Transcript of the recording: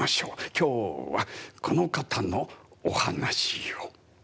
今日はこの方のお話を。